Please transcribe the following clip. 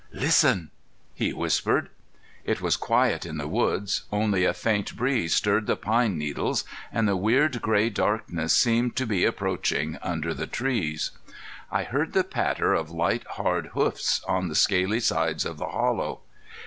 "Listen," he whispered. It was quiet in the woods; only a faint breeze stirred the pine needles; and the weird, gray darkness seemed to be approaching under the trees. I heard the patter of light, hard hoofs on the scaly sides of the hollow.